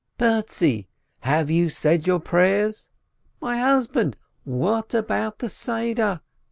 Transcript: Bertzi, have you said your prayers ? My husband, what about the Seder